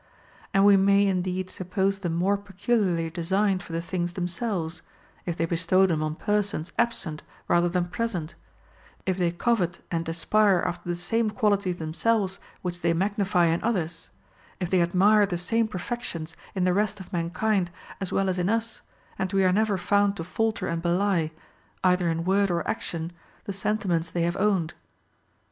And we may indeed suppose them more peculiarly designed for the things themselves, if they be stow them on persons absent rather than present ; if they covet and aspire after the same qualities themselves which they magnify in others ; if they admire the same perfec tions in the rest of mankind as well as in us, and are never found to falter and belie, either in word or action, the sentiments they have owned.